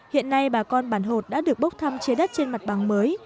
hiện nay bà con bản hột đã được bốc thăm chế đất trên mặt bằng mới